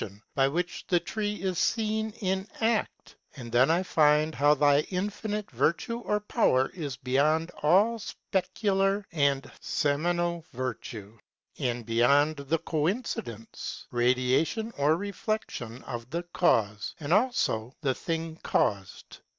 on by which the Tree is feeae in a&, and then I fmde how thy in finite vertueor power it beyond all fpecalar and feminall vertue, and beyond the conic idence, ra diation or reflection of the caufe, and alio the tuing caufed.